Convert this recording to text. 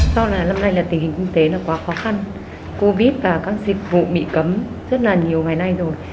do là năm nay là tình hình kinh tế nó quá khó khăn covid và các dịch vụ bị cấm rất là nhiều ngày nay rồi